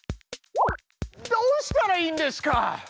どうしたらいいんですか！？